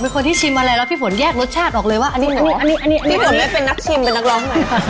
มีคนที่ชิมอะไรแล้วพี่ฝนแยกรสชาติออกเลยว่าอันนี้นดลองว่ามันออกเลย